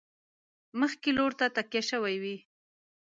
مخکې لور ته تکیه شوي وي.